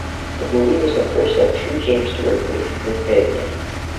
The movie was the first of two James Stewart made with Fabian.